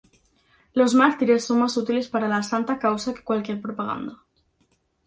Los mártires son más útiles para la santa causa que cualquier propaganda.